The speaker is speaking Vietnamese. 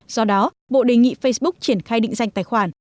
do đó bộ đề nghị facebook triển khai định danh tài khoản